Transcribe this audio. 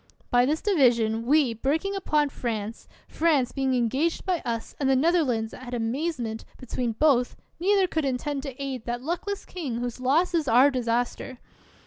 By this division, we, breaking upon France, France being engaged by us, and the Netherlands at amazement be tween both, neither could intend to aid that luck less king whose loss is our disaster.